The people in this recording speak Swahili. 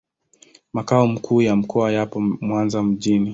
Makao makuu ya mkoa yapo Mwanza mjini.